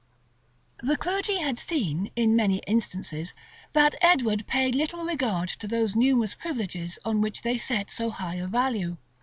} The clergy had seen, in many instances, that Edward paid little regard to those numerous privileges on which they set so high a value.